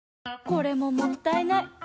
これももったいない。